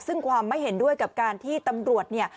ซึ่งความไม่เห็นด้วยกับการที่ตำรวจเนี่ย